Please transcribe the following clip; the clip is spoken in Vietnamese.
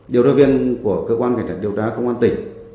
điều trợ viên của cơ quan cảnh trạng điều tra công an tỉnh